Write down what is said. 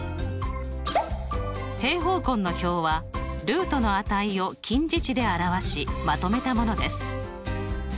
平方根の表はルートの値を近似値で表しまとめたものです。